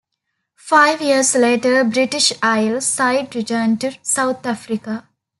Five years later a British Isles side returned to South Africa.